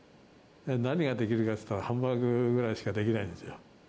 何ができるかっていったら、ハンバーグぐらいしかできないんですよ。